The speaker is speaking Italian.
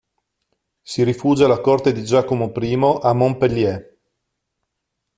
Si rifugia alla corte di Giacomo I a Montpellier.